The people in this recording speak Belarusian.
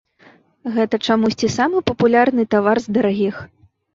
Гэта чамусьці самы папулярны тавар з дарагіх.